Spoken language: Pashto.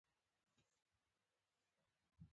د سولر پمپ څو کاله کار کوي؟